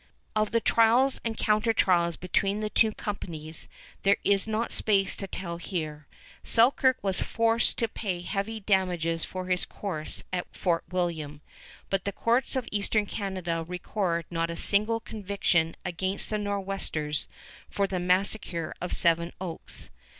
Of the trials and counter trials between the two companies, there is not space to tell here. Selkirk was forced to pay heavy damages for his course at Fort William, but the courts of Eastern Canada record not a single conviction against the Nor'westers for the massacre of Seven Oaks.